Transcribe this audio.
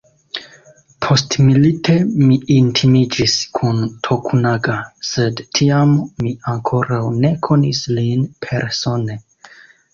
Postmilite mi intimiĝis kun Tokunaga, sed tiam mi ankoraŭ ne konis lin persone.